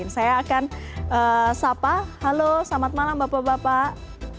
saya akan sapa halo selamat malam bapak bapak